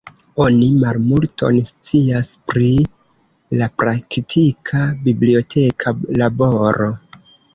Oni malmulton scias pri la praktika biblioteka laboro.